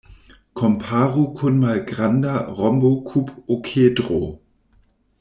Komparu kun malgranda rombokub-okedro.